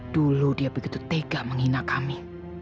dulu dia begitu tega menghina kami